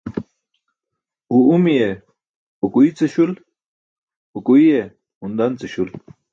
Uw umiye okuiy ce śul, okuiye hun dan ce śul.